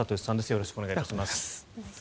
よろしくお願いします。